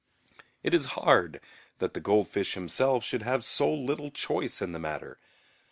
It is hard that the goldfish himself should have so little choice in the matter.